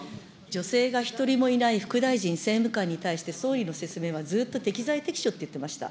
女性が１人もいない副大臣、政務官に対して、総理の説明はずっと適材適所って言ってました。